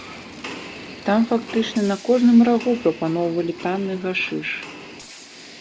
Там фактычна на кожным рагу прапаноўвалі танны гашыш.